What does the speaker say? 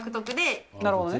なるほどね。